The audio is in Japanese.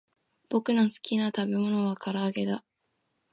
ぼくのすきなたべものはからあげだ